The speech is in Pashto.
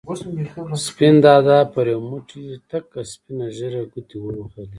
سپین دادا پر یو موټی تکه سپینه ږېره ګوتې ووهلې.